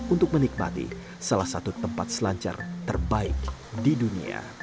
untuk menikmati salah satu tempat selancar terbaik di dunia